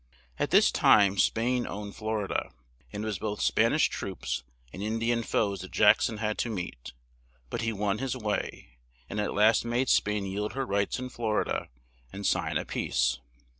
At this time Spain owned Flor i da, and it was both Span ish troops and In di an foes that Jack son had to meet, but he won his way, and at last made Spain yield her rights in Flor i da and sign a peace.